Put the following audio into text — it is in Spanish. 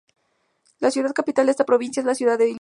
La ciudad capital de esta provincia es la ciudad de Idlib.